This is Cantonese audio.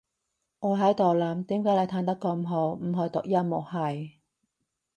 我喺度諗，點解你彈得咁好，唔去讀音樂系？